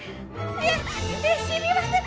いや知りません！